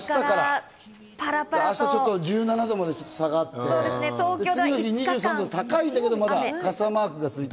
明日は１７度まで下がって、次の日、２３度と高いんだけれども、まだ傘マークが続いて。